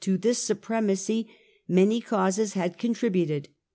this supremacy many causes had contri buted.